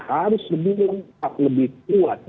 harus lebih kuat